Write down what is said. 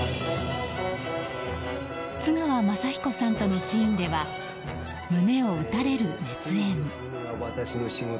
津川雅彦さんとのシーンは胸を打たれる熱演。